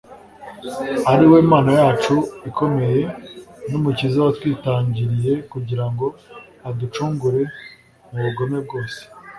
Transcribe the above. ari we mana yacu ikomeye n'umukiza watwitangiriye kugira ngo aducungure mu bugome bwose